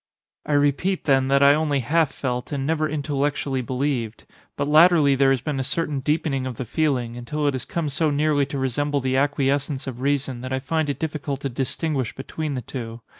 "I repeat, then, that I only half felt, and never intellectually believed. But latterly there has been a certain deepening of the feeling, until it has come so nearly to resemble the acquiescence of reason, that I find it difficult to distinguish between the two.